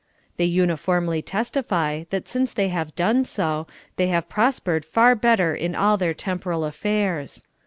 They uniformly testify that since they have done so, they have prospered far better in all their temporal affairs.